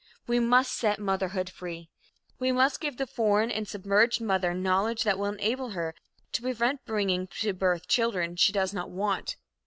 We must set motherhood free. We must give the foreign and submerged mother knowledge that will enable her to prevent bringing to birth children she does not want.